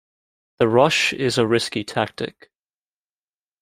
The rush is a risky tactic.